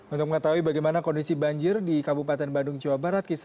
untuk mengetahui bagaimana kondisi banjir di kabupaten bandung jawa barat